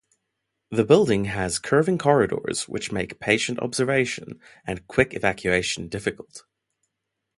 The building has curving corridors which make patient observation and quick evacuation difficult.